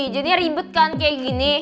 jadinya ribet kan kayak gini